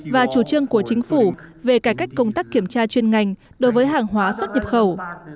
và chủ trương của chính phủ về cải cách công tác kiểm tra chuyên ngành đối với hàng hóa xuất nhập khẩu